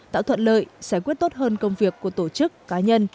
tạo thuận lợi giải quyết tốt hơn công việc của tổ chức cá nhân